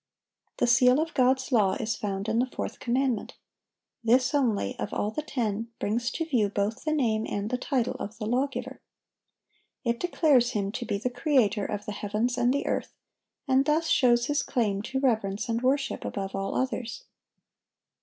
(763) The seal of God's law is found in the fourth commandment. This only, of all the ten, brings to view both the name and the title of the Lawgiver. It declares Him to be the Creator of the heavens and the earth, and thus shows His claim to reverence and worship above all others.